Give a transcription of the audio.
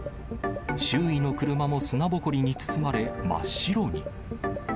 周囲の車も砂ぼこりに包まれ、真っ白に。